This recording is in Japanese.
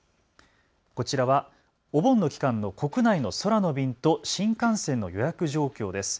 こちらはお盆の期間の国内の空の便と新幹線の予約状況です。